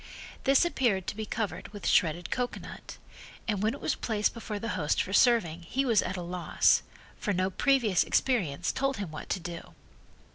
This appeared to be covered with shredded cocoanut, and when it was placed before the host for serving he was at loss, for no previous experience told him what to do.